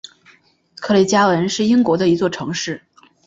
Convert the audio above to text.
克雷加文是英国的一座城市。